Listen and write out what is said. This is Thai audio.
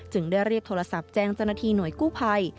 จึงได้เรียบโทรศัพท์แจ้งจนาทีหน่วยกู้ภัย